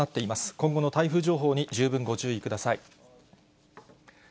今後の台風情報に十分ご注意ください。